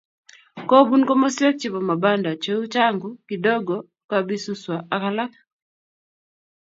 Kobun komoswek chebo mabanda cheu Changu, kidogo, kabisuswa akalak